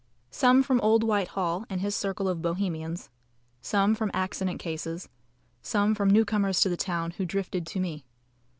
Some from old Whitehall and his circle of Bohemians. Some from accident cases. Some from new comers to the town who drifted to me.